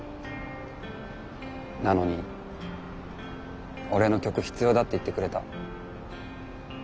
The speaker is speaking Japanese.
なのに俺の曲必要だって言ってくれた。